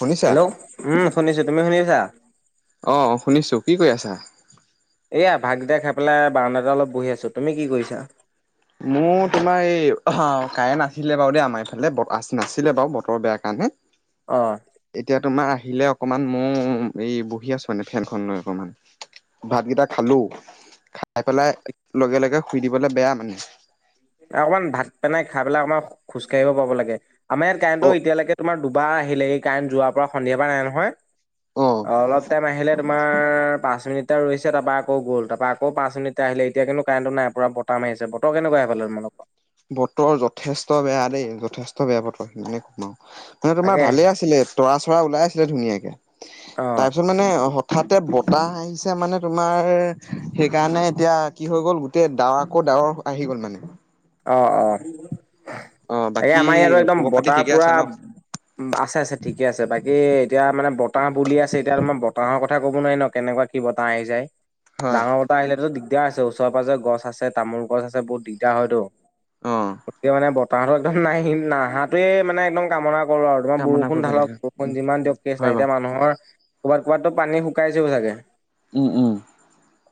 শুনিছা হেল্ল' উম শুনিছো তুমি শুনিছা অ শুনিছো কি কৰি আছা এইয়া ভাগগিতা খাই পেলাই বাৰণদাত অলপ বহি আছো তুমি কি কৰিছা মোৰ তোমাৰ এই অ কাৰেণ্ট আছিলে বাৰু দেই আমাৰ এইফালে নাছিলে বাৰু বতৰ বেয়া কাৰণে অ' এতিয়া তোমাৰ হিলে অকণমান মও - ও - ও এই বহি আছোঁ মানে ফেনখন লৈ অকণমান ভাতকেইটা খালো খাই পেলাই লগে লগে শুই দিবলে বেয়া মানে অকণমান ভাত পেনাই খাই পেলাই [unintelligible] খোজ কাঢ়িব পাব লাগে আমাৰ ইয়াত অ কাৰেণ্তৰ এতিয়ালৈকে তোমাৰ দুবাৰ আহিলে এই কাৰেন্ত যোৱাৰ পৰা সন্ধিয়াৰ পৰা নাই নহয় অ অলপ টাইম আহিলে তোমাৰ পাঁচ মিনিট এতি ৰৈছো তাৰপা আকৌ গ'ল তাৰপা আকৌ পাঁচ মিনিট [unintelligible] আহিলে এতিয়া কিন্তু কাৰেণ্টো নাই পুৰা বতাহ মাৰিছে বতৰ কেনেকুৱা [unintelligible] ম বতৰ যথেষ্ট বেয়া দেই যথেষ্ট বেয়া বতৰ [unintelligible] মানে তোমাৰ তাকে ভালে আছিলে তৰা চৰা ওলাই আছিলে ধুনীয়াকে অ' তাৰপিছত মানে ঠাতে বতাহ আহিছে মানে তোমাৰ সেইকাৰণে এতিয়া কি হৈ গ'ল গোটেই ডাৱৰ আকৌ ডাৱৰ আহি গ'ল মানে। অ', অ' অ এই বাকী আমাৰ ইয়াতো একদম খবৰ খাতি বতাহ ঠিকে আছে পুৰা ন উম, আছে আছে ঠিকে আছে বাকী এতিয়া মানে বত বতাহ বুলি আছে এতিয়া তোমাৰ বতাহৰ কথা ক'ব নোৱাৰি ন কেনেকুৱা কি বতাহ আহি যায়। হয় ডাঙৰ বতাহ আহিলেতো [inaudible] দিগদাৰ আছে ওচৰে পাজৰে গছ আছে তামোল গছ আছে বহুত দিগদাৰ হয়তো। অ [unintelligible] একদম নাহি নাহাটো এ মানে একদম কামনা [unintelligible] আৰু তোমাৰ কামনা বৰষুণ কৰিব ঢালক লাগে বৰষুণ উম যিমান দিয়ক কেছ নাই। হয় বাৰু এতিয়া মানুহৰ ক'ৰবাত ক'ৰবাতো পানী শুকাইছেও চাগে। উম উম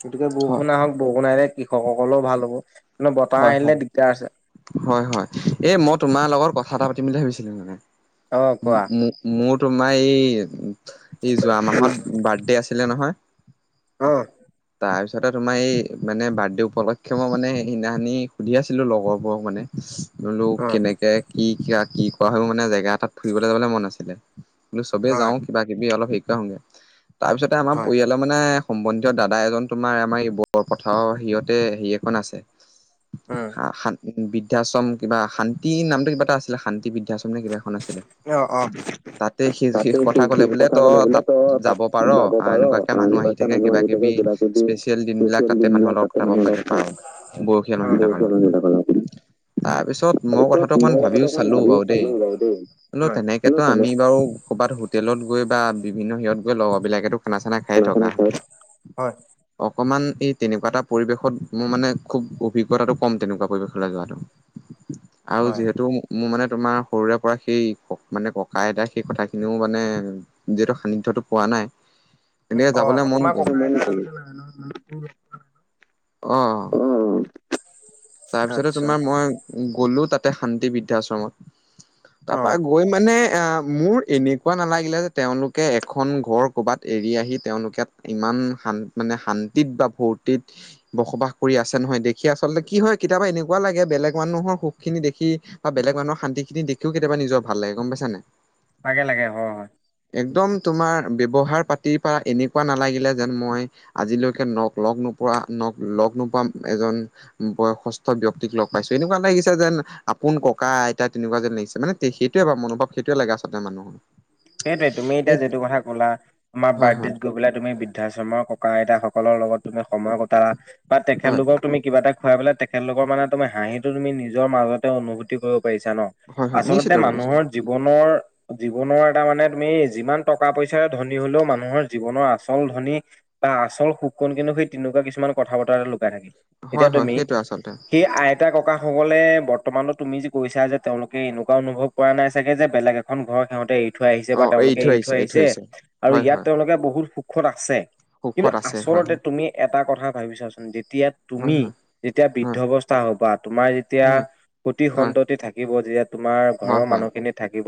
গতিকে হয় বৰষুণ আহক বৰষুণ আহ কৃষকসকলেও ভাল হ'ব মে বতাহ হয় আহিলে হয় দিগ হয়, হয় এই মই তোমাৰ লগত কথা এটা পাতিম বুলি ভাবিছিলো মানে। অ' কোৱা মো-মো-মোৰ তোমাৰ এই এই যোৱা মাহত বাৰ্থডে আছি ছিলে নহয়। অ'। তাৰপিছতে তোমাৰ এই মানে বাৰ্থডে উপলক্ষ মই মানে এই [unintelligible] সুধি আছিলোঁ লগৰবোৰক মানে বোলো অ' কেনেকৈ কি কাক কি কৰা হয় মানে জেগা এতাত ফুৰিবলৈ যাবলৈ মন আছিলে। বোলো চবেই হয় যাও কিবা কিবি অলপ [unintelligible] তাৰপিছতে আমাৰ হয় পৰিয়ালৰ মানে সম্বন্ধীয় দাদা এজন তোমাৰ আমাৰ এই বৰপথাৰৰ সিহঁতে হেৰি এখন আছে। উম [unintelligible] বৃদ্ধাশ্ৰম কিবা শান্তি নামটো কিবা এটা আছিলে শান্তিবিদ বৃদ্ধাশ্রম নে কিবা এখন আছিলে। অ' অ'। তাতে তাতো শেষ সি কথা সি ক'লে বোলে কথা তই ক'লে বোলে তাত তই তাত যাব পাৰ যাব পাৰ এনেকুৱাকে মানুহ আহি এনেকুৱাকে থাকে মানুহ কিবা আহি থাকে কিবি কিবা কিবি স্পেচিয়েল দিনবিলাক স্পেচিয়েল তাতে মানুহৰ দিনবিলাক লগত তাতে কতাব মানুহ লগ ক'ব পাৰ। পায় বয়সীয়াল মানুহবিলাকৰ লগত তাৰপিছত মই কথাটো অকমান ভাবিও চালো বাৰু হ'লেও তেনেকেতো আমি বাৰু কৰ'বাত হোটেলত গৈ বা বিভিন্ন সিহঁত লগৰবিলাকেতো খানা চানা খাই থকা হয়। হয় অকমান এই তেনেকুৱা এটা পৰিৱেশত মোৰ মানে খুব অভিজ্ঞতাটো কম তেনেকুৱা পৰিৱেশলৈ যোৱাটো। আৰু হয় যিহেতু মোৰ মানে তোমাৰ সৰুৰে পৰা সেই মানে ককা আইতাৰ সেই কথাখিনিও মানে যিহেতু সান্নিধ্যটো পোৱা নাই। গতিকে যাবলৈ অ', মন তোমাৰ গ'ল। [unintelligible] অ', অ'। তাৰ পিছতে আচ্ছা তোমাৰ মই গ'লো তাতে শান্তি বৃদ্ধাশ্ৰমত। অ তাৰপা গৈ মানে এ মোৰ এনেকুৱা নালাগিলে যে তেওঁলোকে এখন ঘৰ ক'ৰবাত এৰি আহি তেওঁলোকে ইমান মানে শান্তিত বা ভৰ্তিত বসবাস কৰি আছে নহয় দেখি আচলতে কি হয় কেতিয়াবা এনেকুৱা লাগে বেলেগ মানুহৰ সুখ সিনি দেখি বেলেগ মানুহৰ শান্তিখিন দেখিও কেতিয়াবা নিজৰ ভাল লাগে গম পাইছা। [inaudible] লাগে লাগে হয় হয়। একদম তোমাৰ ব্যৱহাৰ পাতিৰ পৰা এনেকুৱা নালাগিলে যেন মই আজিলৈকে ন লগ পৰা ন লগ নোপোৱা এজন বয়সস্থ ব্যক্তিক লগ পাইছো। এনেকুৱা লাগিছে যেন আপোন ককা আইতা তেনেকুৱা যেন লাগিছে। মানে সেইটোয়ে মনোভাৱ সেইটোৱে লাগে আচলতে মানুহৰ। সেইটোৱে তুমি এতিয়া যিটো কথা ক'লা তোমাৰ হয় হয় বাৰ্থডেত গৈ পেলাই তুমি বৃদ্ধাশ্ৰমৰ ককা আইতাক সকলৰ লগত তুমি সময় কটালা বা হয় তেখেতলোকক তুমি কিবা এটা খুৱাই পেলাই তেখেতলোকৰ মানে তুমি হাঁহিটো তুমি নিজৰ মাজতে অনুভতি কৰিব ন। হয় হয় নিশ্চিত আচলতে ৰূপে নিশ্চিত মানুহৰ জীৱনৰ জীৱনৰ মানে তুমি যিমান টকা পইচাৰে ধনী হ'লেও মানুহৰ জীৱনৰ আচল ধনী বা আচল সুখ কোন কিন্তু সেই তেনেকুৱা কিছুমান কথা বতৰা এটা লুকাই থাকে। হয় এতিয়া হয় তুমি সেইটোৱে আচলতে সেই আইতা ককা সকলে বৰ্তমানো তুমি যে কৈছা যে তেওঁলোকে এনেকুৱা অনুভৱ কৰা নাই চাগে যে বেলেগ এখন ঘৰ সিহতে এ থৈ আহিছে বা তেওঁলোকে এৰি থৈ আহিছে আৰু ইয়াত তেওঁলোকে বহুত সুখত আছে। কিন্তু সুখত আছে হয় আচলতে তুমি এটা কথা ভাবিছাচোন তেতিয়া হয় তুমি হয় যেতিয়া বৃদ্ধ হয় অৱস্থা হবা তোমাৰ যেতিয়া হয় সুতি হয় সন্ততি থাকিব যেতি তোমাৰ হয় ঘৰৰ হয় মানুহখিনি থাকিব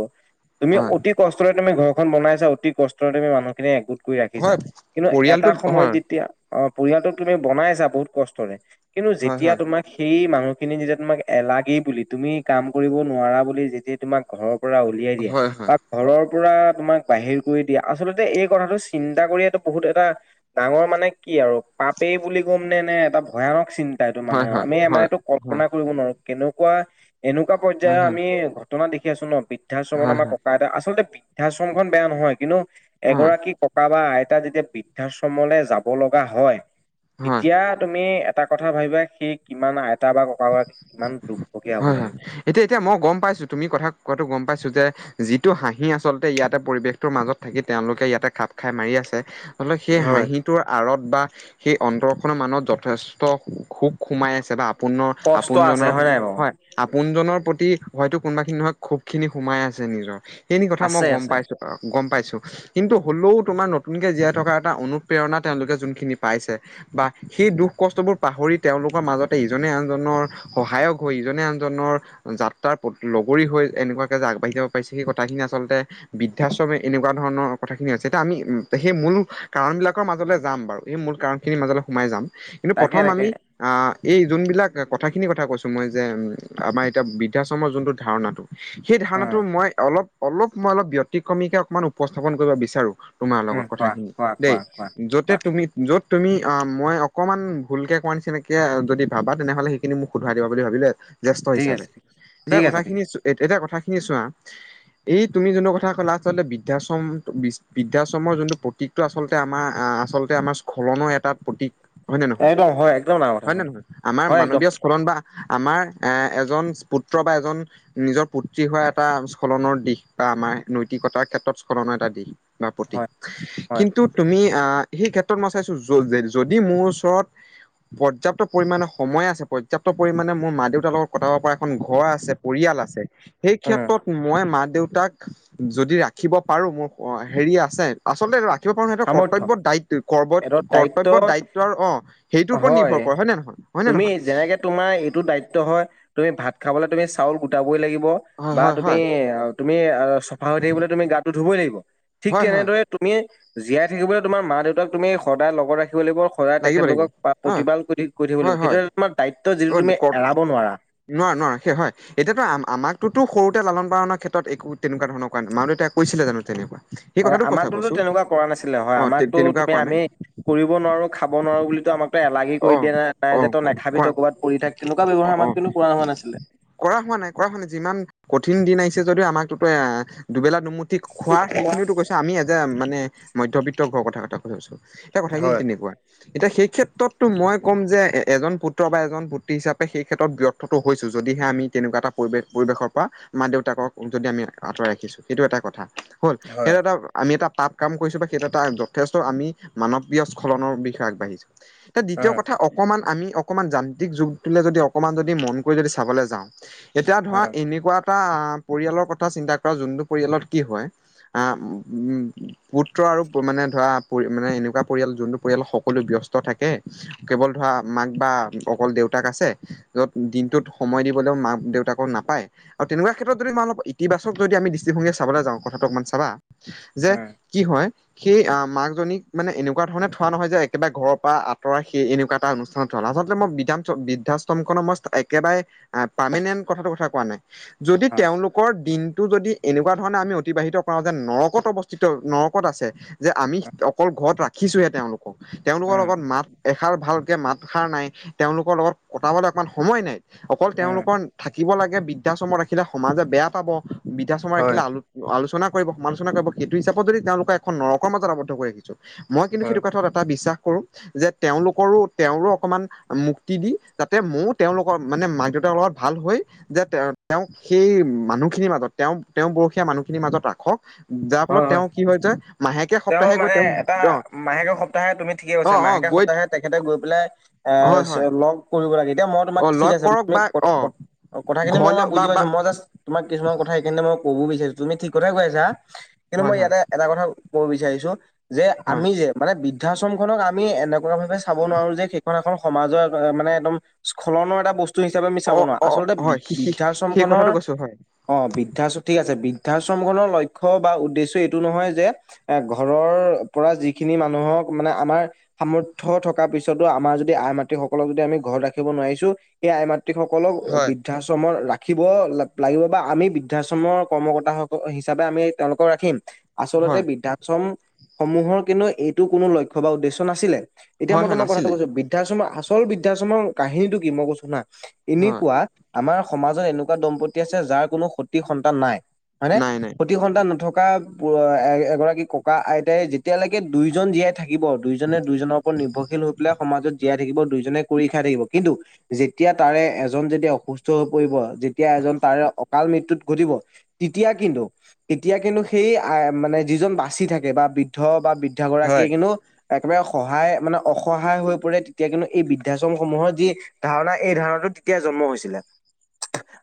তুমি হয় অতি কষ্টৰে তুমি ঘৰখন বনাইছা অতি কষ্টৰে তুমি আমি মানুহখিনি কৰি ৰাখিছা হয় কিন্তু পৰিয়ালটো এটা সময়ত হয় যেতিয়া অ', পৰিয়ালটোক তুমি বনাইছা বহুত কষ্টৰে কিন্তু হয় যেতিয়া হয় তোমাক সেই মানুহখিনি যেতিয়া তোমাক এলাগেই বুলি তুমি কাম কৰিব নোৱাৰা বুলি যেতিয়া তোমাক ঘৰৰ পৰা উলিয়াই দিয়ে হয় হয় তাক পৰা তোমাক বাহিৰ কৰি দিয়া আচলতে এই কথাটো চিন্তা কৰাটো বহুত এটা ডাঙৰ মানে কি আৰু পাপেই বুলি ক'ম নে নে এটা ভয়ানক চিন্তা এইটো হয় হয় মানুহৰ আমি মানে হয় এইটো হয় কল্পনা কৰিব নোৱাৰো কেনেকুৱা এনেকুৱা হা পৰ্যায় হা আমি ঘটনা দেখি আছো ন বৃদ্ধাশ্ৰমত হা আমাৰ হা ক আচলতে বৃদ্ধাশ্ৰম খন বেয়া নহয় কিন্তু হা এগৰাকী ককা বা আইতা এ যেতিয়া বৃদ্ধাশ্ৰমলৈ যাব লগা হয় হা তেতিয়া তুমি এটা কথা ভাবিবা সি কিমান বা ককাগৰাকী কিমান দুৰ্ভগীয়া হ'ব হয় হয় লাগিব। এতিয়া এতিয়া মই গম পাইছো তুমি কথা কোৱাাতো গম পাইছো যে যিটো হাঁহি আচলতে ইয়াতে পৰিৱেশটোৰ মাজত থাকি তেওঁলোকে ইয়াতে খাপ খাই মাৰি আছে আচলতে সেই হয়। হাঁহিটোৰ আঁৰত বা সেই অন্তৰখনৰ মানুত যথেষ্ট খোক সোমাই আছে বা আপোনৰ কষ্ট আছে আপোনজনৰ নাই বাৰু হয় আ পোনজনৰ প্ৰতি হয়তো কোনোবাখিনি নহয় ক্ষোভ খিনি সোমাই আছে নিজৰ সেইখিনি কথা মই আছে গম আছে পাইছো গম পাইছো কিন্তু হলেও তোমাৰ নতুনকে জীয়াই থকা এটা অনুপ্ৰেৰণা তেওঁলোকে যোনখিনি পাইছে বা সেই দুখ কষ্ট বোৰ পাহৰি তেওঁলোকৰ মাজতে ইজনে আনজনৰ সহায়ক হৈ ইজনে আনজনৰ যাত্ৰাৰ প্ৰতি লগৰী হৈ এনেকুৱাকে আগবাঢ়ি যাব পাৰিছে সেই কথাখিনি আচলতে বৃদ্ধাশ্ৰমে এনেকুৱা ধৰণৰ কথা খিনি হৈছে এতিয়া আমি সেই মূল কাৰণবিলাকৰ মাজলৈ যাম বাৰু এই মূল কাৰণখিনিৰ মাজলৈ সোমাই যাম কিন্তু তাকে প্ৰথম তাকে আমি আ এই এয়া কথাখিনি কথা কৈছো মই যে আমাৰ এতিয়া বৃদ্ধাশ্ৰমৰ যোনটো ধাৰণাটো সেই ধাৰণাটো উম মই অলপ অলপ মই অলপ ব্যতিক্ৰমীকে অকমান উপস্থাপন কৰিব বিচাৰো তোমাৰ উম লগত কোৱা কথাখিনি কোৱা দেই কোৱা কোৱা য'তে কোৱা তুমি য'ত তুমি অ মই অকণমান ভুলকে কোৱা নিচিনাকে যদি ভাবা তেনেহলে সেইখিনি মোক সোধৰাই দিব বুলি ভাবিলোঁ জ্যেষ্ঠ ঠিক হিচাপে আছে ঠিক আছে এতিয়া ঠিক কথা আছে ঠিক খিনি আছে এ কথা খিনি চোৱা এই তুমি যোনটো কথা ক'লা আচলতে বৃদ্ধাশ্ৰম বৃদ্ধাশ্ৰমৰ যোনটো প্ৰতীকটো আচলতে আমাৰ আচলতে আমাৰ স্খলনৰ এটা প্ৰতীক হয় নে নহয় একদম হয় একদম না কথা নে হয় নহয় আমাৰ হয় একদম মানৱীয় স্খলন বা আমাৰ এ এজন পুত্ৰ বা এজন নিজৰ পুত্ৰী হোৱা এটা স্খলনৰ দিশ বা আমাৰ নৈতিকতাৰ ক্ষেত্ৰত স্খলনৰ এটা দিশ বা প্ৰতীক হয় হয় কিন্তু তুমি আ সেই ক্ষেত্ৰত মই চাইছো যদি মোৰ ওচৰত পৰ্যাপ্ত পৰিমাণে সময় আছে পৰ্যাপ্ত পৰিমাণে মোৰ মা দেউতাৰ লগত কটাব পৰা এখন ঘৰ আছে পৰিয়াল আছে। সেই উম ক্ষেত্ৰত মই মাক দেউতাক যদি ৰাখিব পাৰো মোৰ হেৰি আছে আচলতে খিব পাৰো ন সেইটো সামৰ্থ্য কৰ্তব্য দায়িত্ব এইটো দায়িত্ব কৰ্তব্য দায়িত্বৰ অ সেইটোৰ ওপৰত নিৰ্ভৰ কৰে হয় নে নয় তুমি যেনেকে তোমাৰ এইটো দায়িত্ব হয় তুমি ভাত খাবলে তুমি চাউল গোটাবই লাগিব হয় বা হয় তুমি হয় তুমি চফা হৈ থাকিবলৈ তুমি গাটো ধুবই লাগিব ঠিক হয় হয় তেনেদৰে তুমি জীয়াই থাকিবলৈ তোমাৰ মা দেউতাক তুমি সদায় লগত ৰাখি লাগিব সদায় লাগিব লাগিব তেখেতলোকক অ প্ৰতিপাল কৰি কৰি থাকিব হয় লাগিব সেইটো হয় আমাৰ দায়িত্ব যিটো অ' তুমি কৰ- এৰাব নোৱাৰা নোৱাৰে নোৱাৰে সেই হয় এতিয়াতো আমক আমাকতো সৰুতে লালন পালনৰ ক্ষেত্ৰত একো তেনেকুৱা ধৰণৰ কৰা নাই মা দেউতাই কৈছিলে জানো তেনেকুৱা। সেই হয় কথাটো কথা আমাকতো কৈছো তেনেকুৱা কৰা নাছিলে হয় অ তে আমাকতো তেনেকুৱা তুমি কোৱা নাই আমি কৰিব নোৱাৰো খাব নোৱাৰো বুলি আমাকতো এলাগি অ কৰি দিয়ে না নাই অ যে তই নাখাবি কৰা তই ক'ৰবাত পৰি থাক তেনেকুৱা ব্যৱহাৰ অ আমাক কিন্তু কৰা হোৱা নাছিলে। কৰা হোৱা নাই কৰা হোৱা নাই যিমান কঠিন দিন আহিছে যদিও আমাকতোটো এ দুবেলা দুমুঠি খোৱাৰ সেইখিনিওতো কৈছে আমি [unintelligible] মানে মধ্যবিত্ত ঘৰৰ কথা কথা কৈ আছোঁ, সেই কথাখিনি হয় তেনেকুৱা এতিয়া সেই ক্ষেত্ৰত তো মই ক'ম যে এজন পুত্ৰ বা এজন পুত্ৰী হিচাপে সেই ক্ষেত্ৰত ব্যৰ্থটো হৈছো যদিহে আমি তেনেকুৱা এটা পৰিৱেশ পৰিৱেশৰ পৰা মা দেউতাকক যদি আমি আঁতৰাই ৰাখিছোঁ সেইটো এটা কথা। হ'ল সেইটো হয় এটা আমি এটা পাপ কাম কৰিছোঁ বা সেইটো এটা যথেষ্ট আমি মানৱ প্ৰিয় স্খলনৰ বিষয়ে আগবাঢ়িছোঁ। এ দ্বিতীয় উম কথা অকমান আমি অকমান যান্ত্ৰিক যুগটোলে যদি অকমান যদি মন কৰি যদি চাবলৈ যাওঁ, এতিয়া ধৰা এনেকুৱা এটা পৰিয়ালৰ কথা চিন্তা কৰা যোনটো পৰিয়ালত কি হয় আ-ম-ম পুত্ৰ আৰু মানে ধৰা মানে এনেকুৱা পৰিয়াল যোনটো পৰিয়াল সকলো ব্যস্ত থাকে। কেৱল ধৰা মাক বা অকল দেউতাক আছে য'ত দিনটোত সময় দিবলৈও মাক দেউ [unintelligible] নাপায় আৰু তেনেকুৱা ক্ষেত্ৰত যদি মই অলপ ইতিবাক যদি আমি দৃষ্টিভংগীৰে চাবলৈ যাওঁ কথাটো অকমান চাবা যে উম কি হয়। সেই অ' মাকজনীক মানে এনেকুৱা ধৰণে থোৱা নহয় যে একেবাৰে ঘৰৰ পৰা আঁতৰাই সেই এনেকুৱা এটা অনুষ্ঠানত হ'ল আচলতে মই বৃদ্ধাম বৃদ্ধাশ্ৰমখনৰ মই একেবাৰে পাৰ্মেনেন্ট কথাটো কথা কোৱা নাই যদি উম তেওঁলোকৰ দিন টো যদি এনেকুৱা ধৰণে আমি অতিবাহিত কৰাও যে নৰকত অৱস্থিত নৰকত আছে। যে আমি উম অকল ঘৰত ৰাখিছোহে তেওঁলোকক, তেওঁলোকৰ উম লগত মাত এষাৰ ভালকে মাত সাৰ নাই তেওঁলোকৰ লগত কটাবলৈ অকণমান সময় নাই, অকল উম তেওঁলোকৰ কিব লাগে বৃদ্ধাশ্ৰমত ৰাখিলে সমাজে বেয়া পাব বৃদ্ধাশ্ৰমত হয় ৰাখিলে আলো আলোচনা কৰিব সমালোচনা কৰিব সেইটো হিচাপত যদি তেওঁলোকক এখন নৰকৰ মাজত আৱদ্ধ কৰি ৰাখিছোঁ, মই কিন্তু হয় সেইটো কথাত এটা বিশ্বাস কৰো যে তেওঁলোকৰো তেওঁৰো অকণমান মুক্তি দি যাতে ময়ো তেওঁলোকৰ মানে মাক দেউতাৰ লগত ভাল হৈ যে তে তেওঁ সেই মানুহখিনিৰ মাজত তেওঁ তেওঁৰ বৰসীয়া মানুহখিনিৰ মাজত ৰাখক। যাৰ ফলত হয় হয় তেওঁ কি যে মাহেকে সপ্তাহে গৈ মানে তেওঁ এটা অ', মাহেকৰ সপ্তাহে তুমি ঠিকে কৈছা অ', অ', মাহেকে গৈ সপ্তাহে তেখেতে গৈ পেলাই এ হয় হয় লগ কৰিব লাগে এতিয়া মই তোমাক অ ঠিক লগ আছে কৰক বা অ ক-ক-ক কথাখিনি মই ঘৰলে তোমাৰ বা বুজি বা পাইছো মই জাষ্ট তোমাৰ কিছুমান কথা সেই [unintelligible] ক'ব বিচাৰিছোঁ তুমি ঠিক কথাই কৈ আছা, কিন্তু হয় মই হয় ইয়াতে এটা কথা ক'ব বিচাৰিছোঁ। যে হয় আমি যে মানে বি বৃদ্ধাশ্ৰমখনক আমি এনেকুৱা ভাৱে চাব নোৱাৰো যে সেইখন এখন সমাজৰ অ' মানে একদম স্খলনৰ এটা বস্তু হিচাপে আমি চাব অ নোৱাৰা অ আচলতে হয় বৃ- সেই বৃদ্ধাশ্ৰমখনৰ, কথাটো কৈছো হয় অ' বৃদ্ধাশ্ৰ ঠিক আছে বি বৃদ্ধাশ্ৰমখনৰ লক্ষ্য বা উদ উদ্দেশ্য এইটো নহয় যে, এ ঘৰৰ পৰা যিখিনি মানুহক মানে আমাৰ সামৰ্থ থকাৰ পিছতো আমাৰ যদি আই মাতৃসকলক যদি আমি ঘৰত ৰাখিব নোৱাৰিছোঁ সেই আই মাত [unintelligible] সকলক হয় বৃদ্ধাশ্ৰমৰ ৰাখ ৰাখিব লাগিব বা আমি বৃদ্ধাশ্ৰমৰ কৰ্মকৰ্তাকল হিচাপে আমি তেওঁলোকক ৰাখিম। হয় আচলতে বৃদ্ধাশ্ৰম সমূহৰ কিন্তু এইটো কোনো লক্ষ্য বা উদ্দেশ্য নাছিলে। এতিয়া হয় মই হয় তোমাৰ কথাটো নাছিলে কৈছোঁ বৃদ্ধাশ্ৰম আচল বৃদ্ধাশ্ৰমৰ কাহিনীটো কি মই কৈছোঁ শুনা। হয় এনেকুৱা আমাৰ সমাজত এনেকুৱা দম্পতি আছে যাৰ কোনো সতি সন্তান নাই। হয়নে, নাই নাই সতি সন্তান নথক [unintelligible] এ- এগৰাকী ককা আইতাই যেতিয়ালৈকে দুইজন জীয়াই থাকিব দুইজনে দুইজনৰ নিৰ্ভৰশীল হৈ পেলাই সমাজত জীয়াই থাকিব দুইজনে কৰি খাই থাকিব কিন্তু যেতিয়া তাৰে এজন যেতিয়া অসুবিধ সুস্থ হৈ পৰিব যেতিয়া এজন তাৰে অকাল মৃত্যুত ঘটিব তেতিয়া কিন্তু তেতিয়া কিন্তু সেই আ মানে যিজন বাচি থাকে বা বৃদ্ধ বা হয় বৃদ্ধাগৰাকীয়ে কিন্তু একেবাৰে সহায় মানে অসহায় হৈ পৰে তেতিয়া কিন্তু এই বৃদ্ধাশ্ৰম সমূহৰ যি ধাৰণা এই ধাৰণাটো তেতিয়া জন্ম হৈছিলে।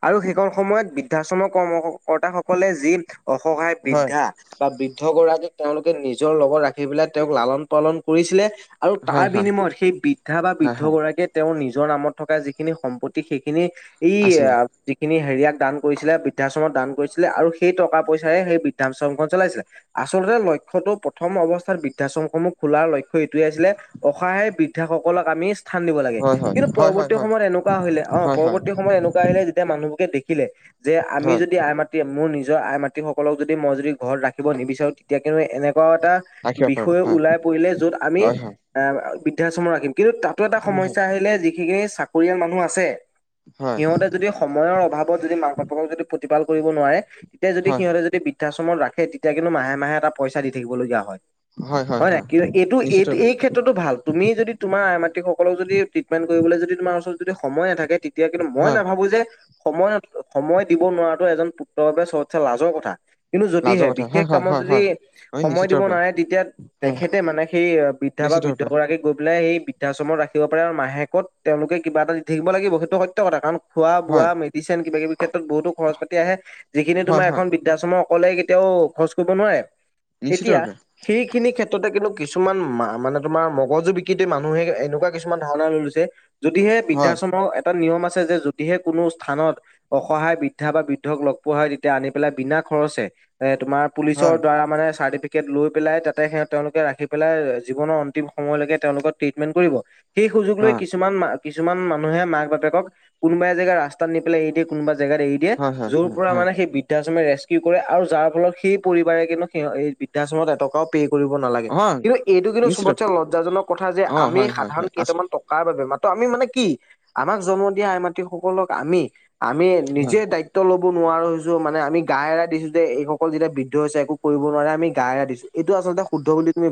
আৰু সেইকন সময়ত বৃদ্ধাশ্ৰম কৰ্মকৰ্তাসকলে যি অসহায় হয় বৃদ্ধা বা বৃদ্ধগৰা তেওঁলোকে নিজৰ লগত ৰাখি পেলাই তেওঁক লালন-পালন কৰিছিলে আৰু হয় তাৰ হয় বিনিময়ত সেই বৃদ্ধা বা হয় বৃদ্ধ হয় গৰাকীয়ে তেওঁৰ নিজ নিজৰ নামত থকা যিখিনি সম্পত্তি সেইখিনি এই আছিলে আ সেইখিনি হেৰিয়াক দান কৰিছিলে বৃদ্ধাশ্ৰমত দান কৰিছিলে আৰু সেই টকা পইচাৰে সেই বৃদ্ধাশ্ৰমখন চলাইছিলে আচলতে লক্ষ্যতো প্ৰথম অৱস্থাৰ বৃদ্ধাশ্ৰমসমূহ খোলাৰ লক্ষ্য এইটোৱে আছিলে অসহায়ে বৃদ্ধাসকলক আমি স্থান দিব লাগে, হয় হয় কিন্তু হয় হয় পৰৱৰ্তী হয় সময়ত এনেকুৱা আহিলে অ, হয় হয় পৰৱৰ্তী সময়ত এনেকুৱা আহিলে যেতিয়া মানুহক দেখিলে যে আমি হয় যদি আই মাতৃ মোৰ নিজৰ আই মাতৃ সকলক যদি মই যদি ঘৰত ৰাখিব নিবিচাৰো তেতিয়া কিন্তো এনে এনেকুৱাও এটা ৰাখিব পাৰো বিষয় হয় ওলাই পৰিলে য'ত আমি হয় এ বৃদ্ধাশ্ৰম ৰাখিম। কিন্তু তাতো এটা হয় হয় সমস্যা আহিলে যিখিনি চাকৰিয়াল মানুহ আছে, হয় সিহঁতে যদি সময়ৰ অভাৱত যদি মাক-বাপেকক যদি প্ৰতিপাল কৰিব নোৱাৰে, তেতিয়া যদি সিহঁতে যদি বৃদ্ধাশ্ৰমত ৰাখে তেতিয়া কিন্তু মাহে-মাহে এটা পইচা দি থাকিবলগীয়া হয়। হয়। হয় নে নাই কিু এইটো নিশ্চিত এইটো ৰূপে এই ক্ষেত্ৰতো ভাল তুমি যদি তোমাৰ আই মাতৃসকলক যদি ট্ৰিটমেণ্ট কৰিবলৈ যদি তোমাৰ ওচৰত যদি সময় নাথাকে তেতিয়া কিন্তু মই হয় নাভাবো যে সময় সময় দিব নোৱাৰটো এজন পুত্ৰভাৱ চত লাজৰ কথা কিন্তু লাজৰ যদিহে কথা বিশেষ হয় হয় কামত হয় যদি হয় হয় সময় নিশ্চিত দিব ৰূপে নোৱাৰে তেতিয়া হয় তেখেতে মানে সেই বৃদ্ধা বা নিশ্চিত ৰূপে বৃদ্ধগৰাকীক গৈ লে সেই বৃদ্ধাশ্ৰমত ৰাখিব পাৰে আৰু মাহেকত তেওঁলোকে কিবা এটা দি থাকিব লাগিব সেইটো সত্য কথা কাৰণ খোৱা হয় বোৱা মেডিচিন কিবা কিবি ক্ষেত্ৰত বহুতো খৰচ পাতি আহে যিখিনি হয় তোমাৰ হয় এখন বৃদ্ধাশ্ৰম অকলে কেতিয়াও খৰচ কৰিব নোৱাৰে নিশ্চিত এতিয়া ৰূপে সেইখিনি ক্ষেত্ৰত ততে কিন্তু কিছুমান মা মানে তোমাৰ মগজু বিক্ৰীতে মানুহে এনেকুৱা কিছুমান ধাৰণা লৈ লৈছে যদিহে হয় বৃদ্ধাশ্ৰম এটা নিয়ম আছে যে যদিহে কোনো স্থানত অসহায় বৃদ্ধা বা বৃদ্ধক লগ পোৱা হয় তেতিয়া আনি পেলাই বিনা খৰচে তোমাৰ পুলিচৰ হয় দ্বাৰা মানে চা লৈ পেলাই তাতে সেই তেওঁলোকে ৰাখি পেলাই জীৱনৰ অন্তিম সময়লৈকে তেওঁলোকৰ ট্ৰিটমেন্ট কৰিব স সুযোগ লৈ হয় কিছুমান কিছুমান মানুহে মাক বাপেকক কোনোবা জেগা ৰাস্তাত নি পেলাই এৰি দিয়ে কোনবা জেগাত এৰি দিয়ে হয় হয় য'ৰ হয় পৰা হয় মানে সেই বৃদ্ধাশ্ৰমে ৰে কৰে আৰু যাৰ ফলত সেই পৰিবাৰে কিন্তু বৃদ্ধাশ্ৰমত এটকাও পে' কৰিব নালাগে হয় কিন্তু এইটো কিন্তু নিশ্চিত ৰূপে চবতচে লজ্জাজনক কথা যে অ আমি হয় হয় সাধাৰণ হয় আছো কেইটামান টকাৰ বাবে আমি মানে কি আমাক জন্ম দিয়া আই মাতৃ সকলক আমি আমি হয় নিজে দায়িত্ব ল'ব নোৱাৰো হৈছো মানে আমি গা এৰা দিছো যে এইসকল যেতিয়া বৃদ্ধ হৈছে একো কৰিব নোৱাৰে আমি গা এৰাই দিছো এইটো আচলতে শুদ্ধ বুলি তুমি